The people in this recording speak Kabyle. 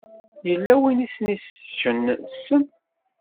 Yella win i sen-iseččen ssem.